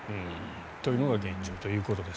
というのが現状ということです。